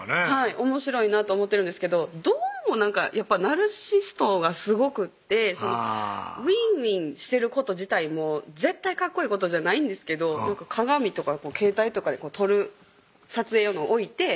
おもしろいなと思ってるんですけどどうもナルシストがすごくってウイーンウイーンしてること自体も絶対かっこいいことじゃないんですけど鏡とか携帯とかで撮る撮影用のん置いて